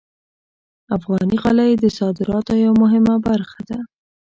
افغاني غالۍ د صادراتو یوه مهمه برخه ده.